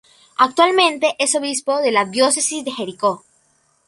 Actualmente es obispo de la Diócesis de Jericó.